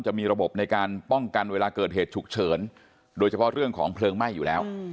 จะมีระบบในการป้องกันเวลาเกิดเหตุฉุกเฉินโดยเฉพาะเรื่องของเพลิงไหม้อยู่แล้ว